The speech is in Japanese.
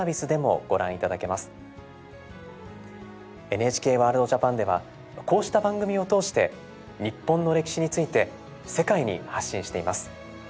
「ＮＨＫワールドＪＡＰＡＮ」ではこうした番組を通して日本の歴史について世界に発信しています。